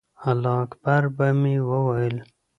الله اکبر به مې وویل.